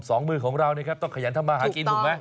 สองมือของเรานะครับต้องขยันทำมาหากินถูกไหม